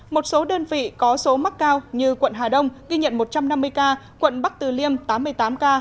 một số đơn vị có số mắc cao như quận hà đông ghi nhận một trăm năm mươi ca quận bắc từ liêm tám mươi tám ca